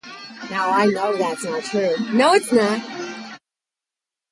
It also featured a music control panel on the left side of the phone.